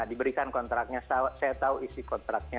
diberikan kontraknya saya tahu isi kontraknya